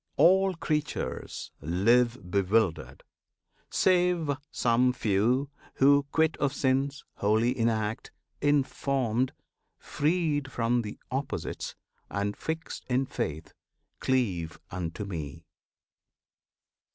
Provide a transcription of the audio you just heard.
All creatures live bewildered, save some few Who, quit of sins, holy in act, informed, Freed from the "opposites,"and fixed in faith, Cleave unto Me.